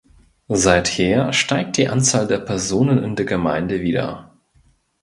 Seither steigt die Anzahl der Personen in der Gemeinde wieder.